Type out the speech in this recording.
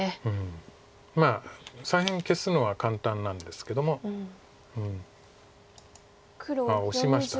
まあ左辺消すのは簡単なんですけども。オシました。